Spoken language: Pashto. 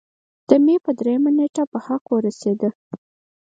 د مۍ پۀ دريمه نېټه پۀ حق اورسېدو